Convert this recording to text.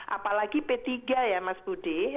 apalagi p tiga ya mas budi